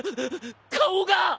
顔が！